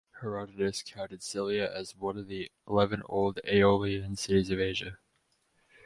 Herodotus counted Cilia as one of the eleven old Aeolian cities of Asia.